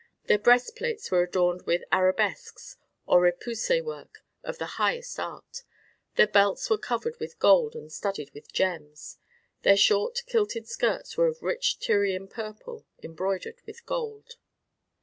Their breastplates were adorned with arabesques or repousse work of the highest art. Their belts were covered with gold and studded with gems. Their short kilted skirts were of rich Tyrian purple embroidered with gold.